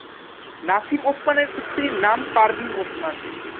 নাসিম ওসমানের স্ত্রীর নাম পারভিন ওসমান।